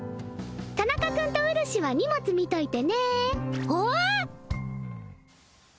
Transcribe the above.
田中君とうるしは荷物見といてねえっ！？